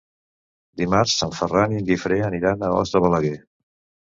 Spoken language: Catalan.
Dimarts en Ferran i en Guifré aniran a Os de Balaguer.